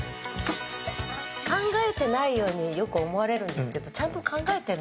考えてないようによく思われるんですけどちゃんと考えてるんですよ。